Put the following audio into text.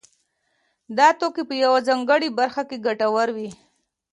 دا توکي په یوه ځانګړې برخه کې ګټور وي